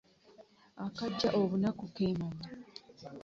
.Akajja obunaku ke manya